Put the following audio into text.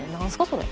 それ。